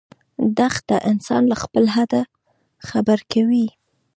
دښته انسان له خپل حده خبر کوي.